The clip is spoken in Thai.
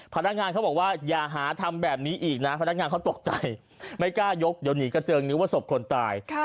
พนักงานเขาบอกว่าอย่าหาทำแบบนี้อีกนะ